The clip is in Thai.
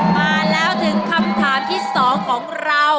มาแล้วถึงคำถามที่๒ของเรา